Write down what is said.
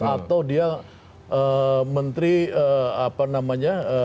atau dia menteri apa namanya